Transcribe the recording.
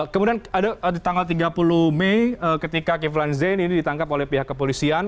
kemudian ada di tanggal tiga puluh mei ketika kiflan zain ini ditangkap oleh pihak kepolisian